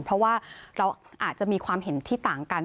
เพราะว่าเราอาจจะมีความเห็นที่ต่างกัน